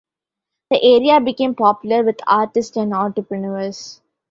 The area became popular with artists and entrepreneurs.